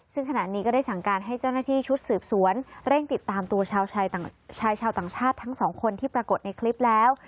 ซึ่งขณะนี้ก็ได้สั่งการให้เจ้าหน้าที่ชุดสืบสวนเร่งติดตามตัวชายชาวต่างชาติทั้งสองคนที่ปรากฏในคลิปแล้ว